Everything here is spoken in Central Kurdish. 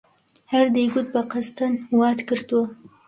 هەر دەیگوت بە قەستەن وات کردووە!